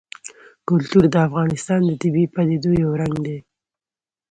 کلتور د افغانستان د طبیعي پدیدو یو رنګ دی.